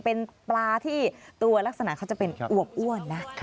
เป็นปลาที่ตัวลักษณะเขาจะเป็นอวบอ้วนนะ